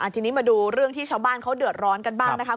ทีนี้มาดูเรื่องที่ชาวบ้านเขาเดือดร้อนกันบ้างนะคะ